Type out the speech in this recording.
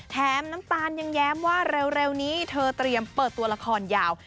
น้ำตาลยังแย้มว่าเร็วนี้เธอเตรียมเปิดตัวละครยาว